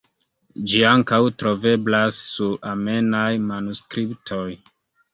Ĝi ankaŭ troveblas sur armenaj manuskriptoj.